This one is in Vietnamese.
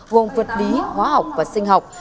gồm vật lý hóa học và sinh học